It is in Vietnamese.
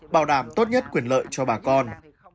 bảo đảm tốt nhất quyền lợi cho bà con